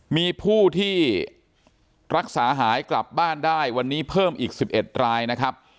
มีผู้ที่รักษาหายกลับบ้านได้วันนี้เพิ่มอีก๑๑รายนะครับ